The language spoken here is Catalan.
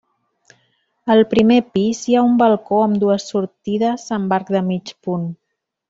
Al primer pis hi ha un balcó amb dues sortides amb arc de mig punt.